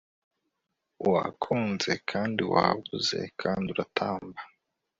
wakunze kandi wabuze kandi uratamba